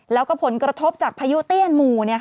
แล้วก็ผลกระทบจากพายุเตี้ยนหมู่